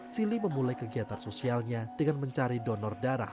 sili memulai kegiatan sosialnya dengan mencari donor darah